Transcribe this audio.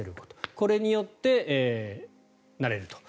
これによって慣れると。